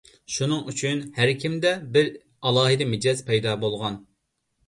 شۇنىڭ ئۈچۈن ھەر كىمدە بىر ئالاھىدە مىجەز پەيدا بولغان.